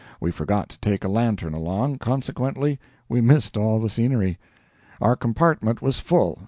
We forgot to take a lantern along, consequently we missed all the scenery. Our compartment was full.